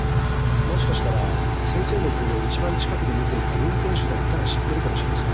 もしかしたら先生の行動を一番近くで見ていた運転手だったら知ってるかもしれません。